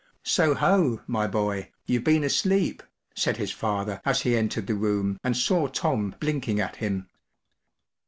” “ So ho, my boy, you’ve been asleep,” said his father, as he entered the room, and saw Tom blinking at him.